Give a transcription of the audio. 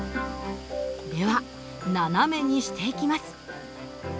斜めにしていきます。